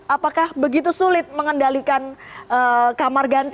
apakah begitu sulit mengendalikan kamar ganti